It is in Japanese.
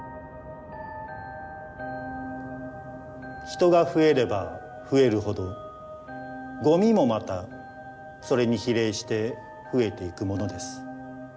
人が増えれば増えるほどゴミもまたそれに比例して増えていくものです。